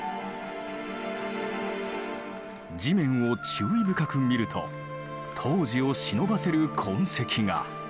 地面を注意深く見ると当時をしのばせる痕跡が。